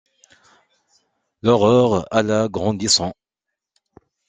L’horreur alla grandissant.